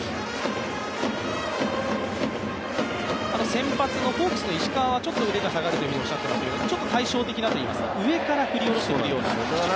先発のホークスの石川はちょっと腕が下がるとお話しされていましたがちょっと対照的だといいますかうえから振り下ろしているような。